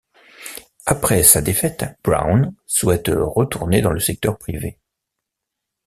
Après sa défaite, Brown souhaite retourner dans le secteur privé.